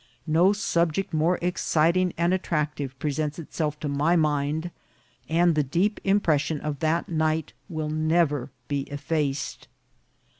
No subject more exciting and at tractive presents itself to my mind, and the deep im pression of that night will never be effaced.